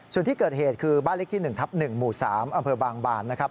ส่วนที่เกิดเหตุคือบ้านเล็กที่๑ทับ๑หมู่๓อำเภอบางบานนะครับ